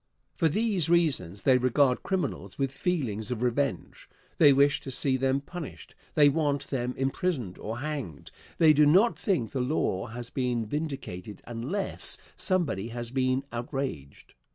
For these reasons they regard criminals with feelings of revenge. They wish to see them punished. They want them imprisoned or hanged. They do not think the law has been vindicated unless somebody has been outraged.